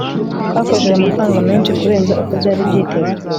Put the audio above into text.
twakoresheje amafaranga menshi kurenza uko byari byitezwe